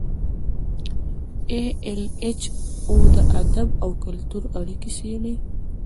ای ایل ایچ د ادب او کلتور اړیکې څیړي.